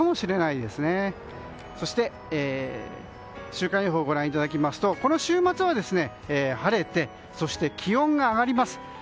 週間予報をご覧いただきますと週末は晴れて気温が上がります。